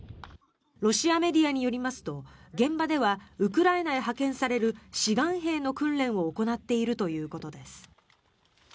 ロシアメディアによりますと現場ではウクライナへ派遣される志願兵の訓練を行っているということです。